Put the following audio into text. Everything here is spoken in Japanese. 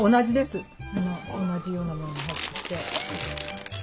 同じようなものが入ってて。